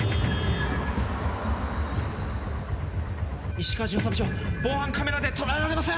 石川巡査部長防犯カメラで捉えられません！